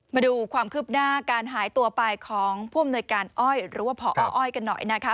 มาดูความคืบหน้าการหายตัวไปของผู้อำนวยการอ้อยหรือว่าพออ้อยกันหน่อยนะคะ